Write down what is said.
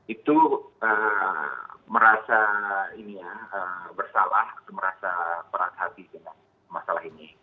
itu merasa bersalah atau merasa berat hati dengan masalah ini